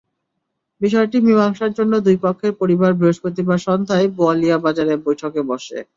বিষয়টি মীমাংসার জন্য দুই পক্ষের পরিবার বৃহস্পতিবার সন্ধ্যায় বোয়ালিয়া বাজারে বৈঠকে বসে।